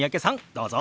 どうぞ！